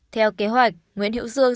theo kế hoạch nguyễn hữu dương